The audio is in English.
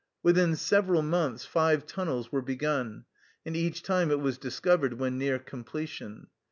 Within several months five tunnels were begun, and each time it was discovered when near completion.